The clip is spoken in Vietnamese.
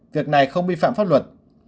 việc này không bi phạm pháp luật